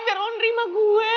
biar orang nerima gue